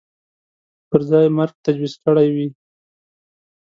پر ځای مرګ تجویز کړی وي